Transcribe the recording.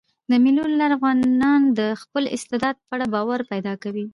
د مېلو له لاري ځوانان د خپل استعداد په اړه باور پیدا کوي.